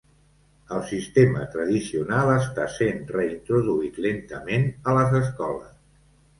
El sistema tradicional està sent reintroduït lentament a les escoles.